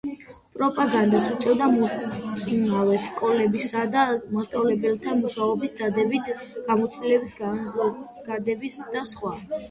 პროპაგანდას უწევდა მოწინავე სკოლებისა და მასწავლებელთა მუშაობის დადებითი გამოცდილების განზოგადებას და სხვა.